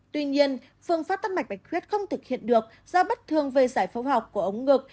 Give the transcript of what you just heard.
tuy nhiên phương pháp tắc mạch bạch huyết không thực hiện được do bất thường về giải phẫu học của ống ngực